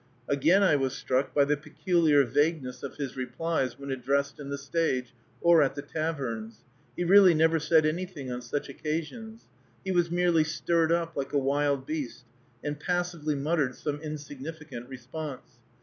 Again I was struck by the peculiar vagueness of his replies when addressed in the stage, or at the taverns. He really never said anything on such occasions. He was merely stirred up, like a wild beast, and passively muttered some insignificant response.